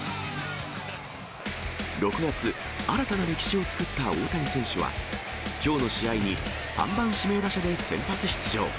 ６月、新たな歴史を作った大谷選手は、きょうの試合に３番指名打者で先発出場。